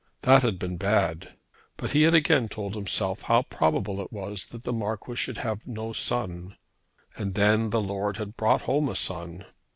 That had been bad; but he had again told himself how probable it was that the Marquis should have no son. And then the Lord had brought home a son.